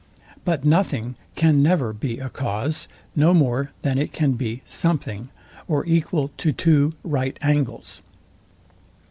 But nothing can never be a cause, no more than it can be something, or equal to two right angles.